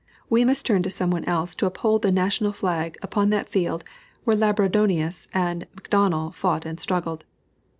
We must turn to some one else to uphold the national flag upon that field where Labourdonnais and M'Donnell fought and struggled.